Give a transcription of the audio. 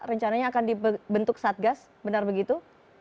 rencananya akan dibentuk satgas benar begitu